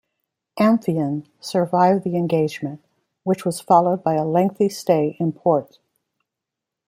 "Amphion" survived the engagement, which was followed by a lengthy stay in port.